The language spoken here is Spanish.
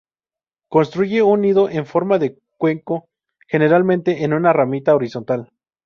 Construye un nido en forma de cuenco, generalmente en una ramita horizontal.